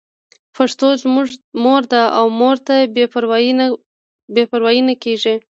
پښتو زموږ مور ده او مور ته بې پروايي نه کېږي.